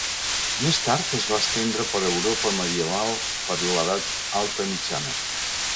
Més tard es va estendre per Europa medieval per l'Edat Alta Mitjana.